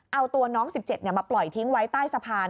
เอาตัวน้อง๑๗มาปล่อยทิ้งไว้ใต้สะพาน